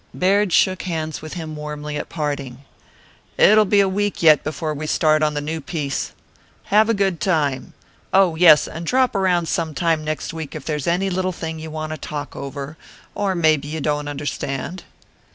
Baird shook hands with him warmly at parting. "It'll be a week yet before we start on the new piece. Have a good time. Oh, yes, and drop around some time next week if there's any little thing you want to talk over or maybe you don't understand."